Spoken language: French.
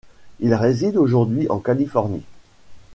Il réside aujourd’hui en Californie.